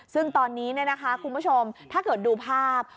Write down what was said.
ซึ่งตอนนี้คุณผู้ชมถ้าเกิดดูภาพ